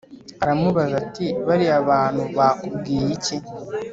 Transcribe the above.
aramubaza ati «Bariya bantu bakubwiye iki,